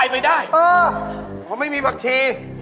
เพราะไม่มีพักชี